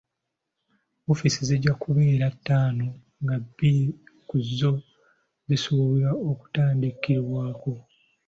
Offiisi zijja kubeera ttaano, nga bbiri ku zo zisuubirwa okutandikirawo.